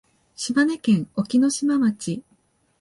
島根県隠岐の島町